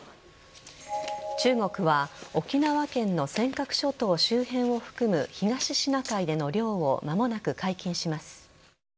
中国は沖縄県の尖閣諸島周辺を含む東シナ海での漁を間もなく解禁します。